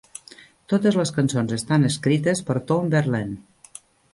Totes les cançons estan escrites per Tom Verlaine.